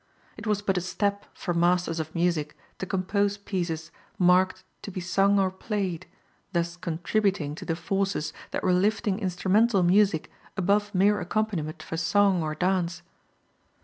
It was but a step for masters of music to compose pieces marked "to be sung or played," thus contributing to the forces that were lifting instrumental music above mere accompaniment for song or dance.